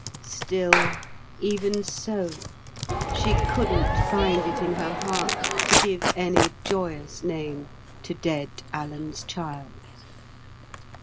Still, even so, she couldn't find it in her heart to give any joyous name to dead Alan's child.